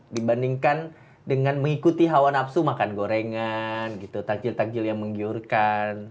dibandingkan dengan mengikuti hawa nafsu makan gorengan gitu takjil takjil yang menggiurkan